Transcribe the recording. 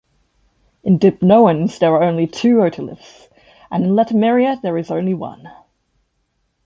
In dipnoans there are only two otoliths and in "Latimeria" there is only one.